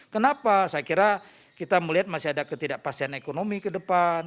kenapa saya kira kita melihat masih ada ketidakpastian ekonomi ke depan